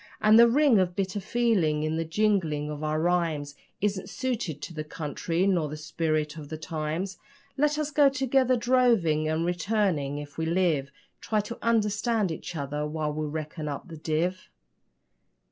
And the ring of bitter feeling in the jingling of our rhymes Isn't suited to the country nor the spirit of the times. Let us go together droving, and returning, if we live, Try to understand each other while we reckon up the div.